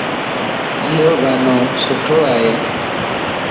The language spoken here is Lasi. ايو ڳانو سٺو ائي.